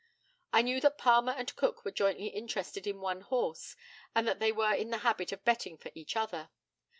I knew that Palmer and Cook were jointly interested in one horse, and that they were in the habit of betting for each other.